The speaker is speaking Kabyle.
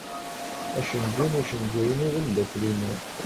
Acengu n ucengu-inu d ameddakel-inu.